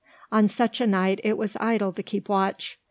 On such a night it was idle to keep watch.